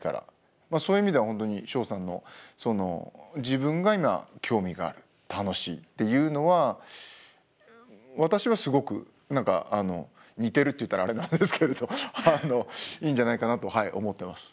まあそういう意味では本当にしょおさんの自分が今興味がある楽しいっていうのは私はすごく何か似てるって言ったらあれなんですけれどいいんじゃないかなと思ってます。